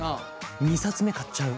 ２冊目買っちゃう。